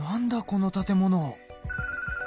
この建物。